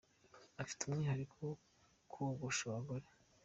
Afite umwihariko wo kogosha abagore